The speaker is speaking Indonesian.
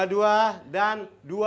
dua dua dan dua